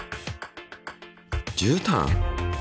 じゅうたん？